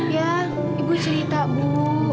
ya ibu cerita bu